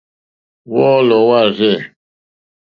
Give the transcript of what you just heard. Wɔ́ɔ́lɔ̀ wâ rzɛ̂.